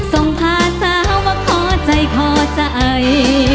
ส่งพาสาวมาขอใจขอใจ